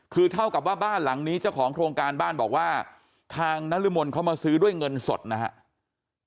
คือเท่ากับว่าบ้านหลังนี้เจ้าของโครงการบ้านบอกว่าทางนรมนเขามาซื้อด้วยเงินสดนะครับ